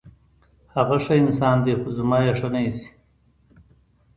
هغه ښه انسان دی، خو زما یې ښه نه ایسي.